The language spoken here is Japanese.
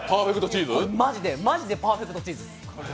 マジでパーフェクトチーズです。